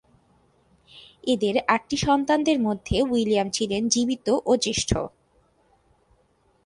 এদের আটটি সন্তানদের মধ্যে উইলিয়াম ছিলেন জীবিত ও জ্যেষ্ঠ।